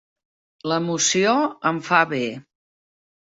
L'emoció em fa bé.